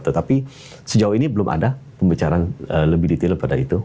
tetapi sejauh ini belum ada pembicaraan lebih detail pada itu